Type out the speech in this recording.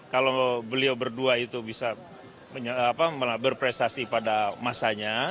kalau beliau berdua itu bisa berprestasi pada masanya